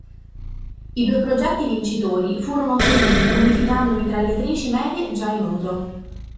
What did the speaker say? I due progetti vincitori furono ottenuti modificando mitragliatrici medie già in uso.